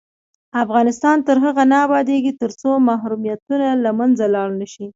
افغانستان تر هغو نه ابادیږي، ترڅو محرومیتونه له منځه لاړ نشي.